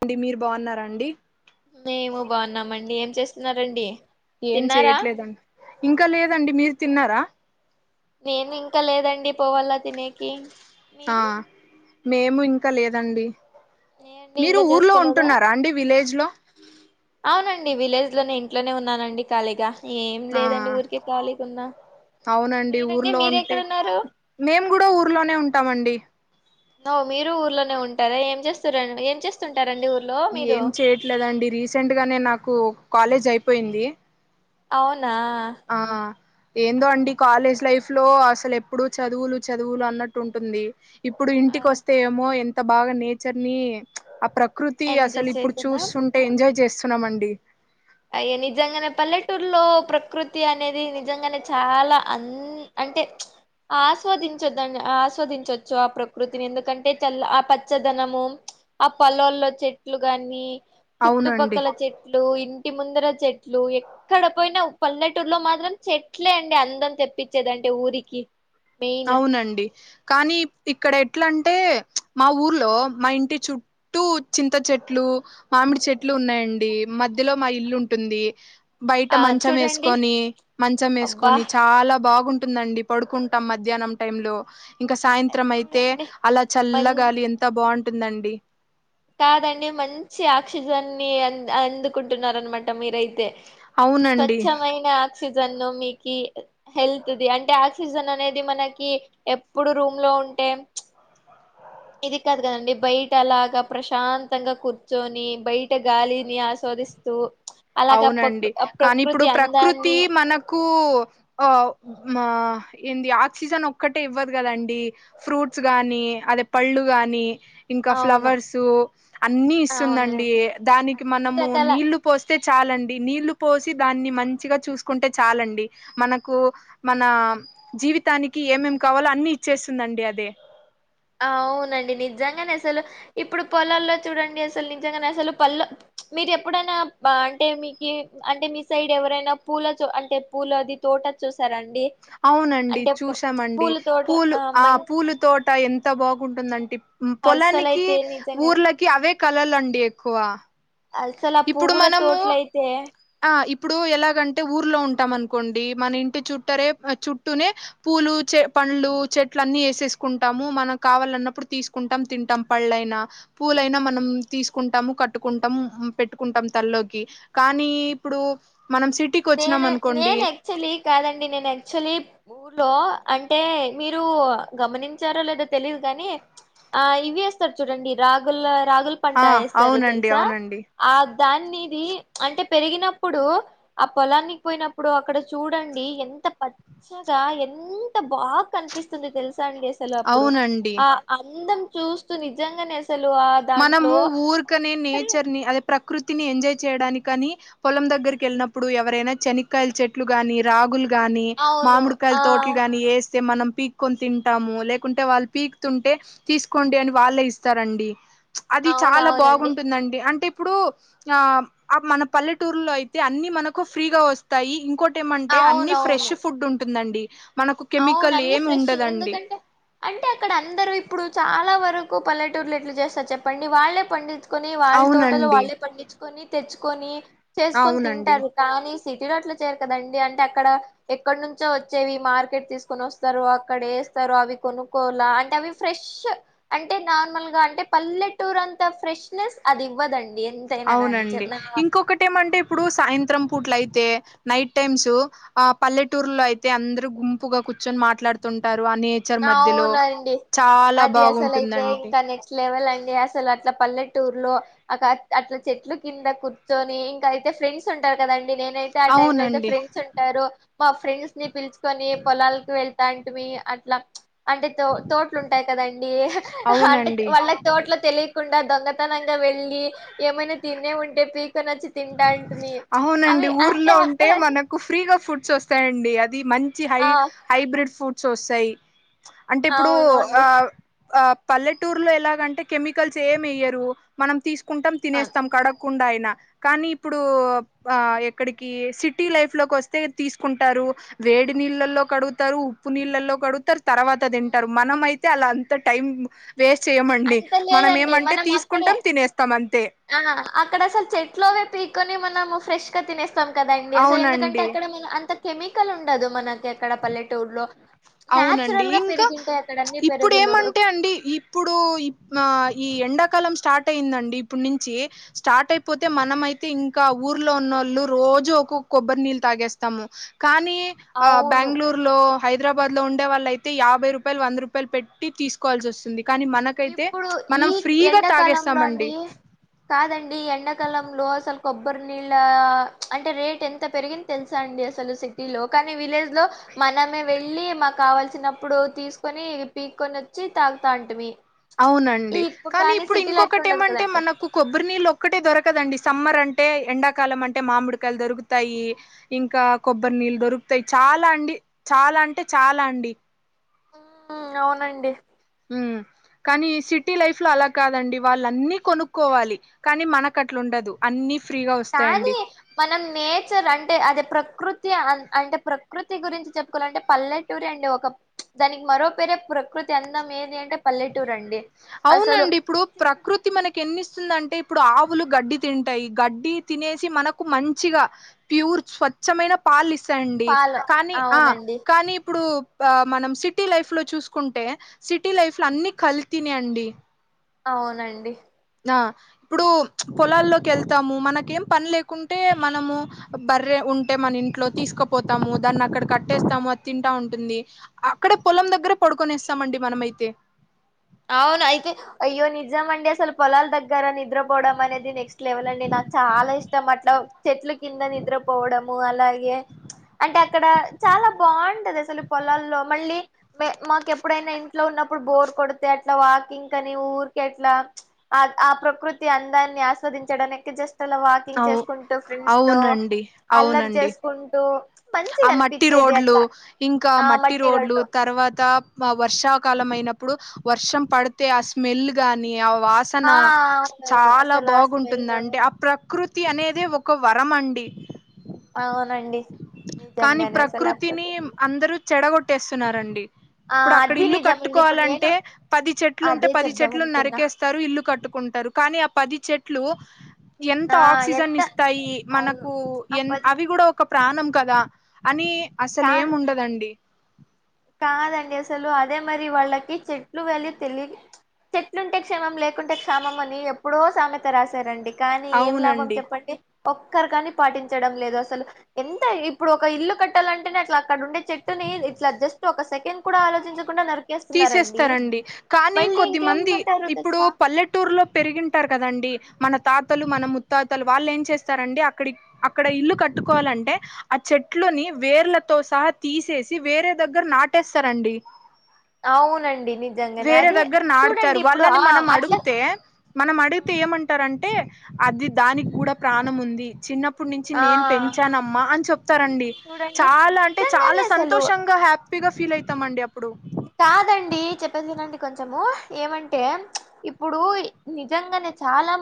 అండి మీరు బావున్నారండి మేము బావున్నామండి ఏం చేస్తున్నారండి ఏం తిన్నారా చెయట్లేదండి ఇంకా లేదండి మీరు తిన్నారా నేను ఇంకా లేదండి పోవళ తినేకి ఆ మీరు మేము ఇంకా క లేదండి నేండి మీరు ఇంకా ఊర్లో చేసుకోలేదా ఉంటున్నారా అండి విలేజ్ లో నీ విలేజ్ లోనే ఇంట్లోనే ఉన్నానండి ఖాళీగా ఏం ఆ లేదండి ఊరికే ఖాళీగున్నా అవునండి మీరండి ఊర్లో ఉంటే, మీరెక్కడున్నారు మేము కూడా ఊర్లోనే ఉంటామండి. అవ్ మీరు ఊర్లోనే ఉంటారా ఏం చేస్తురండి ఏం చేస్తుంటారండి ఊర్ ఏం చేయట్లేదండి రీసెంట్ గానే నాకు కాలేజ్ అయిపోయింది అవున్ ఆ ఏందో అండి ఓకే కాలేజ్ లైఫ్ లో అసలు ఎప్పుడూ చదువులు చదువులు అన్నట్టు ఉంటుంది ఇప్పుడు ఆ ఇంటికి వస్తే ఏమో ఎం ఎంత బాగా నేచర్ ని ఆ ప్ర కృతి అసలు ఎంజాయ్ ఇప్పుడు చేస్తున్నా చూస్తుంటే ఎంజాయ్ చేస్ నమండి అయ్యో నిజంగనే పల్లెటూరులో ప్రకృతి అనేది నిజంగానే చాలా అన్ అంటే, ఆస్వాదించొద్ద ఆస్వాదించొచ్చు ఆ ప్రకృతిని. ఎందుకంటే చల్ల ఆ పచ్చదనము, ఆ పొలాల్లో చెట్లు గాని అవునండి చుట్టుపక్కల చెట్లు ఇ ఇంట్టి ముందర చెట్లు ఎక్కడ పోయినా పల్లెటూరులో మాత్రం చెట్లే అండి అందం తెప్పించేది అంటే ఊరికి మెయిన్ అవునండి కానీ ఇక్కడ ఎట్ల అంటే మా ఊర్లో మా ఇంటి చుట్టూ చింత చెట్లు, మామిడి చెట్లు ఉన్నాయండి. మ మధ్యలో మా ఇల్లు ఉంటుంది. బయట ఆ మంచం చూడండి యేసుకొని మంచం అబ్బా యేసుకొని చాలా బాగుంటు టుందండి పడుకుంటాం మ మధ్యాహనం టైమ్ లో ఇంకా సాయంత్రం అయితే చూడండి అలా మం చల్లగాలి ఎంత బాగుంటు టుందండి కాదండి మంచి ఆక్సిజన్ ని అందుకుంటున్నారనమాట మీరయితే తే అవునండి స్వచ్ఛమైన ఆక్సిజన్ ను మీకీ హెల్త్ ది అంటే ఆక్సిజన్ అనేది మనకి ఎప్పుడు రూమ్ లో ఉంటే ఇది కాదు కదండి బయట అలాగా ప్రశాంతంగా కూర్చొని బయట గాలిని ఆస్వాదిస్తూ అలాగ ప్రకృ అవునండి కానీ ఇప్పుడు ప్రకృతి ప్రకృతి అందాన్ని మనకు ఏంది ఆక్సిజన్ ఒక్కటే ఇవ్వదు కదండి ఫ్రూట్స్ గానీ అదే పళ్ళు గాని ఇంకా అవును ఫ్లవర్సు అన్నీ ఇస్తుందండి అవునులేండి దానికి అన్ని మనము రకాల నీళ్లు పోస్ చాలండి నీళ్లు పోసి దాన్ని మంచిగా చూసుకుంటే చాలండి. మనకు మన జీవితానికి ఏమేం కావాలో అన్ని ఇచ్చేస్తుందండి అదే అవునండి నిజంగనే అసలు ఇప్పుడు పొలాల్లో చూడండి అసలు నిజంగానే అసలు పల మీరు ఎప్పుడైనా అంటే మీకీ అంటే మీ సైడ్ ఎవరైనా పూల అంటే పూలది తోట చూసారం అవునండి చూసామండి పూల తోట పూలు ఆ మంచి పూల తోట ఎం త బాగుంటుందంటె మ్ పొలానికి అస్సలైతే నిజంగా ఊర్లకి అవే కలలండి ఎక్కువ అసలు ఆ ఇప్పుడు పువ్వుల మనము తోటలు అయితే ఆ ఇప్పుడు ఎలాగంటే ఊర్లో ఉంటాం అనుకోండి మన ఇంటి చుట్టరే చుట్టూనే పూలు చె పండ్లు చెట్లు అన్ని వేసేసుకుంటాము మనం కావాలన్నప్పుడు తీసుకుంటాం తింటాం పళ్ళైనా పూలైనా మనం తీసుకుంటాము కట్టుకుంటాము పెట్టుకుంటాం తల్లో కి కాని ఇప్పుడు నేనె అనుకోండి నేను యాక్చువలీ కాదండి నేను యాక్చువలీ ఊ ర్లో అంటే మీరు గమనించారా లేదా తెలియదు కాని ఆ ఇవి వేస్తారు చూడండి రాగుల రాగుల్ పంట ఆ ఏస్తారు అవునండి తెలుసా అవునండి ఆ దాన్నిది అంటే పెరిగినప్పుడు ఆ పొలానికి పోయినప్పుడు అక్కడ చూడండి ఎంత పచ్చగా ఎంత బాగా కనిపిస్తుంది తెలుసా సా అండి అసలు అప్పుడు అవునండి ఆ అందం చూస్తూ నిజంగానే అస మనము ఊర్కనే నేచర్ ని అదే ప్ర కృతిని ఎంజాయ్ చేయడానికి కానీ పొలం దగ్గరకి వెళ్ళినప్పుడు ఎవరైనా చెనకాయల చెట్లు కానీ రాగులు గాని అవును మామిడికాయల ఆ తోటలు గాని ఏసి తే మనం పీక్కొని తింటాము లేకుంటే వాళ్ళు పీక్ తుంటే తీసుకోండి అని వాళ్లే ఇస్తారండి చ్ అది చాలా అవునవునండి బాగుంటుందండి అంటే ఇ ఇప్పుడు ఆ మన పల్లెటూర్లో అయితే అన్ని మనకు ఫ్రీగా వస్తాయి ఇంకో టి ఏమంటే అన్ని అవునవును ఫ్రెష్ ఫుడ్ ఉంటుందం డి అవును అన్నీ ఫ్రెష్ ఎందుకంటే అంటే అక్కడ అందరు ఇప్పుడు చాలా వరకు పల్లెటూర్లు ఎట్లా చేస్తారు చెప్పండి వాళ్లే పండిచు కొని వాళ్ళ తోటలో అవునండి వాళ్ళే పండించు కొని తెచ్చుకొని చేసుకొని అవునండి తింటారు కానీ సిటీ లో అట్ల చేయరు కదండి అంటే అక్కడ ఎక్కడ నుంచో వచ్చేవి మార్కె ట్ తీసుకొని వస్తారు అక్కడ వేస్తారు అవి కొనుక్కోవాల అంటే అవి ఫ్రెష్ అంటే నార్మల్ గా అంటే పల్లెటూరు అంత ఫ్రెష్నెస్ అది ఇవ్వదండి ఎంతైనా గాని అవునండీ చెప్ నా ఇంకొకటి ఏమంటే ఇప్పుడు సాయంత్రం పూట్ల అయితే నైట్ టైమ్స్ ఆ పల్లెటూర్ లో అయితే అందరు గుంపుగా కూర్చొని మాట్లాడుతుంటా అవునండీ చాలా అది అసలు అయితే బాగుంటుందండి ఇంకా నెక్స్ట్ లెవెల్ అండి అసలు అట్లా పల్లెటూర్ లో అ అట్ల చెట్లు కింద కూర్చొని ఇంకా అయితే ఫ్రెండ్స్ ఉంటారు కదం డి నేనైతే ఆ టైమ్ లో అయితే అవునండి ఫ్రెండ్స్ ఉంటారు మా ఫ్రెండ్స్ ని పిలుచుకొని పొలాలకి వెళ్తాం మి అట్లా అంటే తో తోట్లు ఉంటాయి కదండీ అంటే అవునండి వాళ్ళకు తోట్లో తెలియకుండా దొంగతనంగా వెళ్ళి ఏమైనా తినే ఉంటే పి కొన్సోచి తింట నంటుది త అ అవునండి అంటే అక్కడ ఏమి వుంది డ్స్ వస్తాయండి మంచి హై హైబ్రిడ్ ఫుడ్ చూసై అంటే ఇప్పుడు అవును అండి ఆ ఆ పల్లెటూర్లో ఎలాగంటే కెమికల్స్ ఏమియ్యరు మనం తీసుకు కుంటం అవును తినేస్తాం కడ కుండయిన కానీ ఇప్పుడూ ఆ ఎక్కడికి సిటీ లైఫ్ లోకి వస్తే తీసుకుంటారు వేడి నీళ్ళల్లో కడుగుతారు ఉప్పు నీళ్ళల్లో కడుగుతారు తర్వాత తింటరు మనమయితే తె అంత టైం వేస్ట్ చేయమండి అంత మనం లేదండి ఏమంటే మనం అక్కడే తీసుకుంటాం తినేస్తాం అంతే ఆ అక్కడ అసలు చెట్లోనె పీక్ కాని మనము ఫెష్గా తినెస్త స్తం కదండి అసలు ఎందుకంటే అవునండి అక్కడ మనం అంత కెమికల్ ఉండదు మన ఎక్కడ పల్లెటూర్లో అవునండి ఇంక ఇప్పుడు పెరుగులు ఏమంటే అండి ఇప్పుడూ మా ఈ ఎండాకాలం స్టార్ట్ అయిందండి ఇప్పుడ్నుంచి స్టార్ట్ అయిపోతే మనమయితే ఇంకా ఊర్లో ఉన్నోళ్ళు రోజు ఒక్కొ కొబ్బరి నీళ్ళు తాగేస్తాము కానీ ఆ అవును బెంగళూరులో హైదరాబాద్ లో ఉండే వాళ్ళయితే యాభై రూపాయలు వంద రూపాయలు పెట్టి తీసుకోవాల్సి వస్తుంది కానీ మనకైతే ఇప్పుడు ఈ మనం ఫ్రీగా ఎండాకాలంలో తాగేస్తామండి అండి కాదండి ఎండాకాలంలో అసలు కొబ్బరి నీళ్ళా అంటే రేట్ ఎంత పెరిగింది తెలుసా అండి అసలు సిటీలో కానీ విలేజ్ లో మనమే వెళ్ళి మాకు కావాల్సినప్పుడు తీసుకొని పీక్కొని వచ్చి తాగుతా అంట మీ అవునండి కానీ ఇప్పుడు అట్లా ఉండదు ఇంకొకటేమంటే కదండి మనకు కొబ్బరి నీళ్ళు ఒక్కటే దొరకదండి సమ్మర్ అంటే అంటే ఎండాకాలం అంటే మామిడికాయలు దొరుకుతాయి. ఇంకా కొబ్బరి నీళ్ళు దొరుకుతాయి. చాల అండి చాలా అంటే చాల అండి ఆ అవునండి ఉమ్ కానీ సిటీ లైఫ్ లో అలా కాదండి వాళ్ళ అన్ని కొనుక్కోవాలి కానీ మనకట్లా ఉండదు అన్ని ఫ్రీగా వస్తాయండి కానీ మనం నేచర్ అంటే అది ప్రకృ కృతి అంటే ప్రకృతి గురించి చెప్పుకోవాలంటే పల్లెటూరె అండి ఒక దానికి మరో పేరే ప్రకృతి అందం ఏది అంటే పల్లెటూ అవునండి ఇప్పుడు ప్రకృతి మనకి ఎన్ని ఇస్తుందంటే ఇప్పుడు ఆవులు గడ్డి తింటయి. గడ్డి తినేసి మనకు మంచిగా ప్యూర్ స్వచ్చమైన పాలుస్త వచ్చండి పాలు కానీ ఆ అవునండి కానీ ఇప్పుడు ఆ మనం సిటీ లైఫ్ లో చూసుకుంటే సిటీ లైఫ్లో అన్ని కల్ తినె అండి అవునండి ద ఇప్పుడు పొలాల్లోకి వెళ్తాము మనకేం పని లేకుంటే మనము బర్రె ఉంటే మన ఇంట్లో తీసుకుపోతాము దాన్ని అక్కడ కట్టేస్తాము తింటా ఉంటుంది అక్కడే పొలం దగ్గర పడుకొనేస్తామండి మనమయితే అవును అయితే అయ్యో నిజం అండి అసలు పొలాల దగ్గరని నిద్రపోవడం అనేది నెక్స్ట్ లెవెల్ అండి నాకు చాలా ఇష్టం అట్ల చెట్ల కింద నిద్రపోవడము అలా అంటే అక్కడ చాలా బాగుంటది అసలు పొలాల్లో మళ్ళీ మాకు ఎప్పుడైనా ఇంట్లో ఉన్నప్పుడు బోర్ కొడ తే అట్లా వాకింగ్ అని ఊరిక అట్లా ఆ ప్రకృతి అందాన్ని ఆస్వాదించడానీకి జస్ట్ ల వాకింగ్ అవు చేసుకుంటూ ఫ్రెండ్స్ తో అవునండి అల్లరి అవునండి చేసుకుంటూ ఆ మంచిగా మట్టి అనిపించేది రోడ్లు అట్లా ఇంకా మట్టి రోడ్లు తర్వాత మా వర్షాకాలం అయినప్పుడు వర్షం పడితే ఆ స్మెల్ గాని ఆ ఆ వాసన అవునవును చాలా అసలు ఆ బాగుంటుంది స్మెల్ అంటే ఆ ప్రకృతి తి అనేదే ఒక వరం అండి అవునండి కానీ నిజంగానే అసలు అప్పటి ప్రకృతిని అందరూ చెడగొట్టు తెేస్తున్నారండి ఆ ఇప్పుడు అక్కడ అది ఇల్లు నిజమండి ఇప్పుడు నేను కట్టుకోవాలంటే పది చెట్లు ఉంటే అదే పది చెప్దాం చెట్లు అనుకున్నా నరికేస్తారు ఇల్లు కట్టుకుంటారు కానీ ఆ పది చెట్లు ఇట్లు ఎంత నా ఆక్సిజన్ ఎంత ఇస్తాయి అవును మనకు ఎ అప్పటి అవి కూడా ఒక ప్రాణం కదా అని అసలు ఏం కాదు ఉండదండి కాదండి అసలు అదే మరి వాళ్ళకి చెట్లు వెళ్ళి తెలి చెట్లుంటే క్షేమం లేకుంటే క్షమం అని ఎప్పుడో సామెత రాశారండి కానీ ఏం లాభం అవునండి చెప్పండి ఒక్కరు కాని పాటించడం లేదు అసలు ఎంత ఇప్పుడు ఒక ఇల్లు కట్టాలంటేనే అట్లా అక్కడ ఉండే చెట్టుని ఇట్లా జస్ట్ ఒక సెకండ్ కూడా ఆలోచించకుండా న తీసేస్తారండి కానీ కొద్ది మంది ఇంకేమంటారు ఇప్పుడు తెలుసా పల్లెటూరులో పెరిగింటారు కదండి మన తాతలు మన ముత్తాతలు వాళ్ళు ఏం చేస్తారండి అక్కడి అక్కడ ఇల్లు కట్టుకోవాలంటే ఆ చెట్లుని వేర్లతో సహా తీసేసి వేరే దగ్గర నాటేస్తారండి అవునండి నిజంగానే వేరే అది దగ్గర చూడండి నాటుతారు ఇప్పుడు వాళ్ళని ఆ మనం అట్లా అడిగితే మనం అడిగితే ఏమంటారంటే అది దానికి కూడా ప్రాణం ఉంది చిన్నప్పుడు నుంచి ఆ నేను పెంచానమ్మా అని చెప్ప తారండి చూడండి చాలా అంటే నిజంగానే చాలా అసలు సంతోషంగా హ్యాపీగా ఫీల్ అయితామండి అప్పుడు కాదండి చెప్పేసిండి కొంచము ఏమంటే ప్చ్ ఇప్పుడు నిజంగానే చాలా